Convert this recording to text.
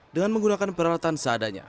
dengan menggunakan peralatan seadanya